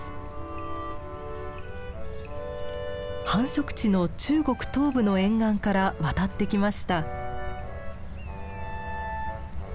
繁殖地の中国東部の沿岸から渡ってきました。